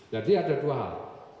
jadi ada dua hal